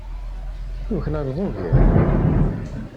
Tuklaleḍ ugar.